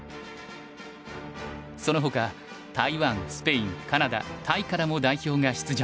そのほか台湾スペインカナダタイからも代表が出場。